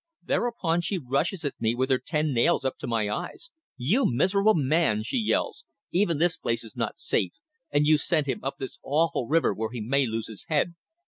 Thereupon she rushes at me with her ten nails up to my eyes. 'You miserable man,' she yells, 'even this place is not safe, and you've sent him up this awful river where he may lose his head.